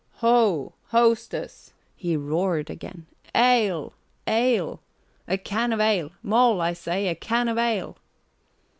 "Ho! Hostess!" he roared again. "Ale, ale! A can of ale! Moll, I say! A can of ale!"